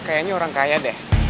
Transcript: kayaknya orang kaya deh